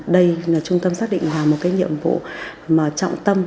đây là trung tâm xác định là một nhiệm vụ trọng tâm